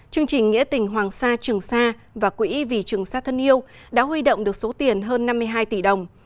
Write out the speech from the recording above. chương trình nghĩa tình hoàng sa trường sa và quỹ vì trường sa thân yêu đã huy động được số tiền hơn năm mươi hai tỷ đồng